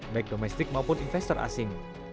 baik domestik maupun investor asing